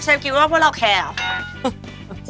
เชฟคิดว่าพวกเราแคร์เหรอ